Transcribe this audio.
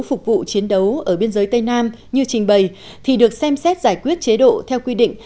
phục vụ chiến đấu ở biên giới tây nam như trình bày thì được xem xét giải quyết chế độ theo quy định